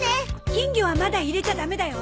金魚はまだ入れちゃダメだよ。